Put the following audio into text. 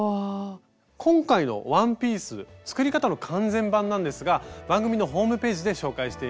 今回のワンピース作り方の完全版なんですが番組のホームページで紹介しています。